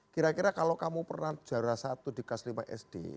kira kira kalau kamu pernah juara satu di kelas lima sd